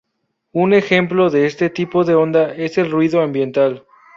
Un ejemplo de este tipo de onda es el ruido ambiental.